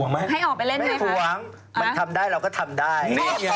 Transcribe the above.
มันทำได้เราก็ทำได้